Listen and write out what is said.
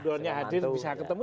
belum ada hadir bisa ketemu